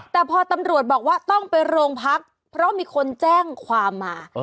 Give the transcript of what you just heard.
แต่พอตำรวจบอกว่าต้องไปโรงพักเพราะมีคนแจ้งความมา